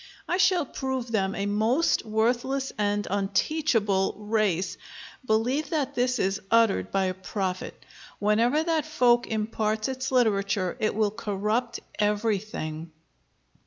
I shall prove them a most worthless and unteachable (!) race. Believe that this is uttered by a prophet: whenever that folk imparts its literature, it will corrupt everything."